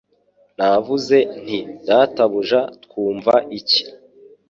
Navuze nti Databuja twumva iki